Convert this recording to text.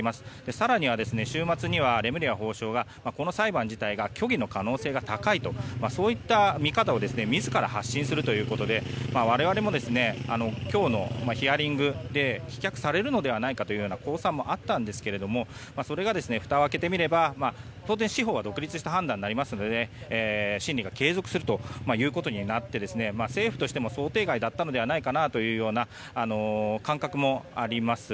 更には週末にはレムリヤ法相が、この裁判自体虚偽の可能性が高いとそういった見方を自ら発信するということで我々も今日のヒアリングで棄却されるのではないかという公算もあったんですがそれが、ふたを開けてみれば当然、司法では独立した判断になりますので審理が継続するということになって政府としても想定外だったのではないかなという感覚もあります。